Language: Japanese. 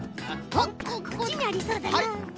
おっこっちにありそうだな。